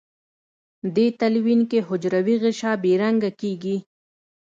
دې تلوین کې حجروي غشا بې رنګه کیږي.